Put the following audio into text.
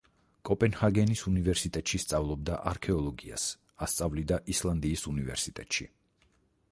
კოპენჰაგენის უნივერსიტეტში სწავლობდა არქეოლოგიას, ასწავლიდა ისლანდიის უნივერსიტეტში.